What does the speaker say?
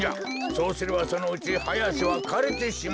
そうすればそのうちハヤアシはかれてしまう。